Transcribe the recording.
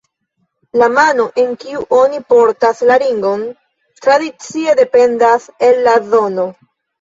La mano en kiu oni portas la ringon tradicie dependas el la zono.